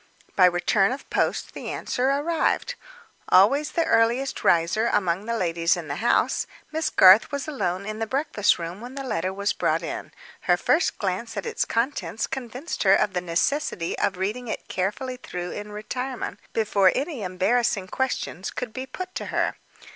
By return of post the answer arrived. Always the earliest riser among the ladies of the house, Miss Garth was alone in the breakfast room when the letter was brought in. Her first glance at its contents convinced her of the necessity of reading it carefully through in retirement, before any embarrassing questions could be put to her.